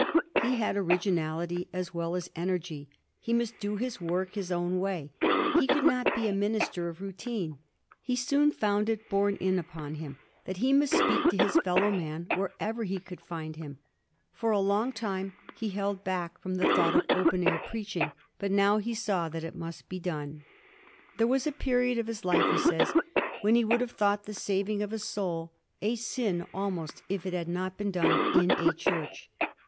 He had orig inality as well as energy; he must do his work his own way; he could not be a minister of routine. He soon found it borne in upon him that he must speak to his fellow man wherever he could find him. For a long time he held back from the thought of open air preaching, but now he saw that it must be done. There was a period of his' life, he says, when he would have thought the saving of a soul '^a sin almost if it had not been done in a church."